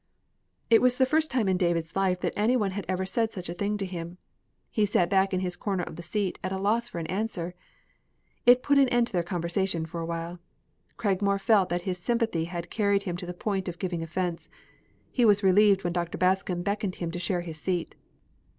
It was the first time in David's life any one had ever said such a thing to him. He sat back in his corner of the seat, at loss for an answer. It put an end to their conversation for a while. Cragmore felt that his sympathy had carried him to the point of giving offense. He was relieved when Dr. Bascom beckoned him to share his seat.